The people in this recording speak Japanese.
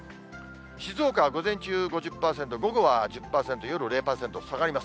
静岡は午前中５０％、午後は１０％、夜０％、下がります。